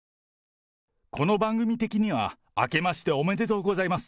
この番組的には明けましておめでとうございます。